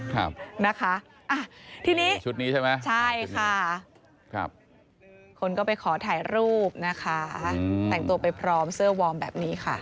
ครับชุดนี้ใช่ไหมใช่ค่ะคนก็ไปขอถ่ายรูปนะคะแต่งตัวไปพร้อมเสื้อวอร์มแบบนี้ค่ะ